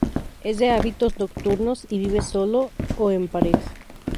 Es de hábitos nocturnos y vive solo o en pareja.